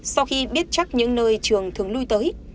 sau khi biết chắc những nơi trường thường lui tới